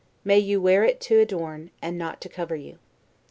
May you wear it to adorn, and not to cover you!